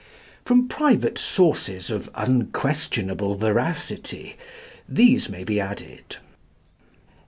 From private sources of unquestionable veracity, these may be added.